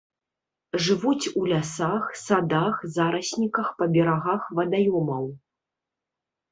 Жывуць у лясах, садах, зарасніках па берагах вадаёмаў.